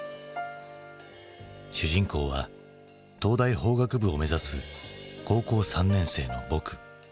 主人公は東大法学部を目指す高校３年生の「ぼく」。